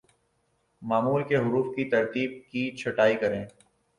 معمول کے حروف کی ترتیب کی چھٹائی کریں